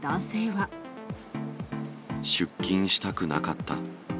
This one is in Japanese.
出勤したくなかった。